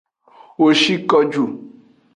Wo shi ko ju.